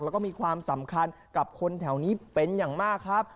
แล้วก็มีความสำคัญกับคนแถวนี้เป็นอย่างมากครับ